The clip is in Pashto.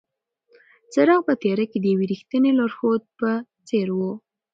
څراغ په تیاره کې د یوې رښتینې لارښود په څېر و.